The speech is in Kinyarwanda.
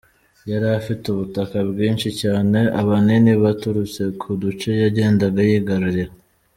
Yari afite ubutaka bwinshi cyane ahanini buturutse ku duce yagendaga yigarurira.